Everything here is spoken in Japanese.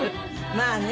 まあね。